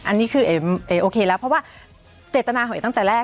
อันนี้คือเอ๋โอเคแล้วเพราะว่าเจตนาของเอ๋ตั้งแต่แรก